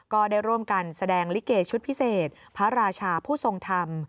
ก็ได้ร่วมกันแสดงลิเกชุดพิเศษพระราชาผู้ทรงธรรม